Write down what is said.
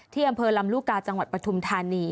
อำเภอลำลูกกาจังหวัดปฐุมธานี